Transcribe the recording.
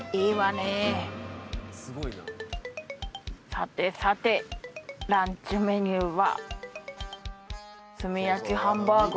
さてさてランチメニューは